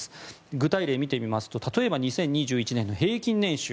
具体例を見てみますと例えば２０２１年の平均年収。